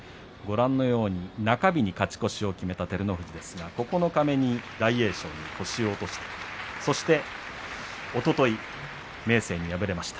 中日に勝ち越しを決めた照ノ富士ですが九日目に大栄翔に星を落としそして、おととい明生に敗れました。